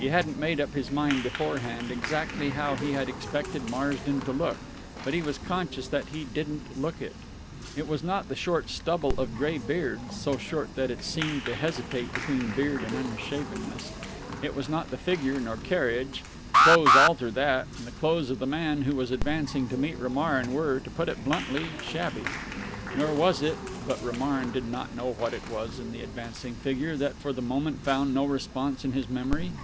He hadn't made up his mind beforehand exactly how he had expected Marsden to look, but he was conscious that he didn't look it. It was not the short stubble of grey beard, so short that it seemed to hesitate between beard and unshavenness; it was not the figure nor carriage clothes alter that, and the clothes of the man who was advancing to meet Romarin were, to put it bluntly, shabby; nor was it... but Romarin did not know what it was in the advancing figure that for the moment found no response in his memory.